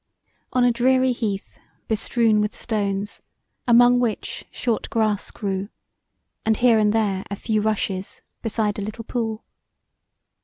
On a dreary heath bestrewen with stones, among which short grass grew; and here and there a few rushes beside a little pool.